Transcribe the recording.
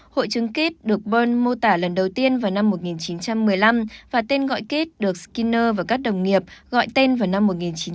hội chứng kít được burn mô tả lần đầu tiên vào năm một nghìn chín trăm một mươi năm và tên gọi kít được skinner và các đồng nghiệp gọi tên vào năm một nghìn chín trăm tám mươi một